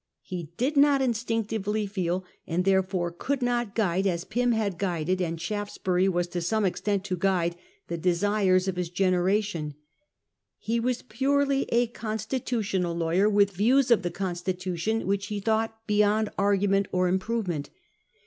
He clarendon's did not instinctively feel, and therefore could weakness as no t guide, as Pym had guided, and Shaftes bury was to some extent to guide, the desires of his generation He was purqly a constitutional lawyer, with views of the constitution which he thought beyond argument or improvement.